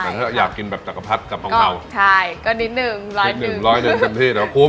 แต่ถ้าอยากกินแบบจักรพรรดิกะเพราใช่ก็นิดนึงร้อยหนึ่งร้อยหนึ่งเต็มที่เดี๋ยวคุ้ม